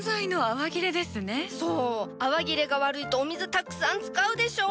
泡切れが悪いとお水たくさん使うでしょ！？